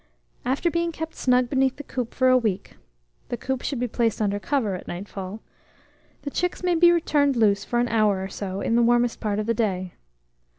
After being kept snug beneath the coop for a week (the coop should be placed under cover at nightfall), the chicks may be turned loose for an hour or so in the warmest part of the day.